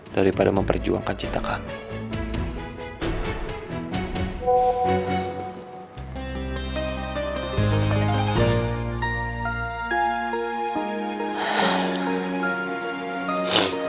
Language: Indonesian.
daripada memperjuangkan cita kami